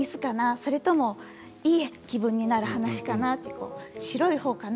それともいい気分になる話かな？と白いほうかな？